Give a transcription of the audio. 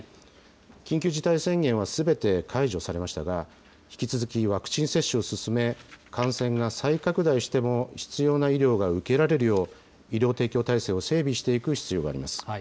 緊急事態宣言はすべて解除されましたが、引き続きワクチン接種を進め、感染が再拡大しても必要な医療が受けられるよう、医療提供体制を整備していく必要があります。